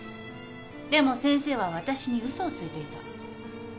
でも先生は私に嘘をついていた。